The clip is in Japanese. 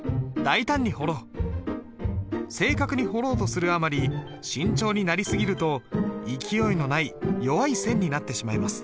正確に彫ろうとするあまり慎重になり過ぎると勢いのない弱い線になってしまいます。